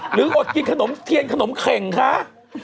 อดกินขนมเทียนขนมเข่งคะ